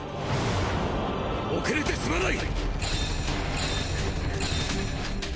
遅れてすまない！